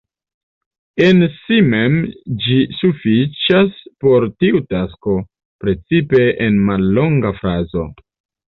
En si mem ĝi sufiĉas por tiu tasko, precipe en mallonga frazo.